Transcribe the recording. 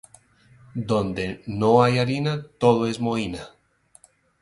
Donde no hay harina, todo es mohina.